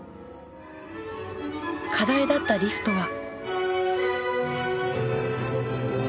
課題だったリフトは。